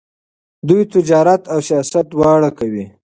دوی تجارت او سیاست دواړه کوي.